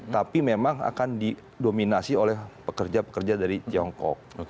tapi memang akan didominasi oleh pekerja pekerja dari tiongkok